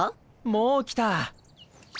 もう来た。